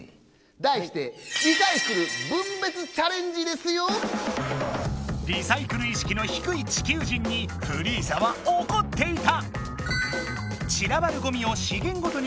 題してリサイクルいしきのひくい地球人にフリーザはおこっていた。